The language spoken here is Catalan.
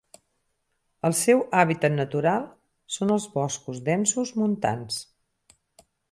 El seu hàbitat natural són els boscos densos montans.